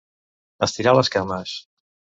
Estirar les cames.